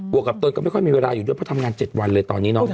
วกกับตนก็ไม่ค่อยมีเวลาอยู่ด้วยเพราะทำงาน๗วันเลยตอนนี้เนาะ